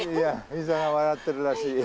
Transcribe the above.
ひざが笑ってるらしい。